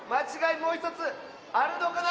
もうひとつあるのかな？